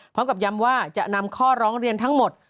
พร้อมกับย้ำว่าจะนำข้อร้องเรียนทั้งหมด